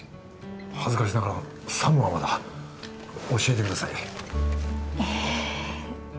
恥ずかしながらサムはまだ教えてくださいえ